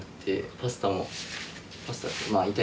パスタ？